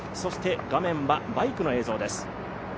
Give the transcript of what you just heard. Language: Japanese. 画面はバイクの映像です。